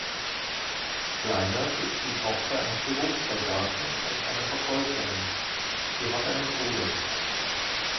Kleinert ist die Tochter eines Berufssoldaten und einer Verkäuferin, sie hat einen Bruder.